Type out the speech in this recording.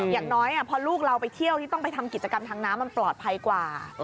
อย่างน้อยพอลูกเราไปเที่ยวที่ต้องไปทำกิจกรรมทางน้ำมันปลอดภัยกว่า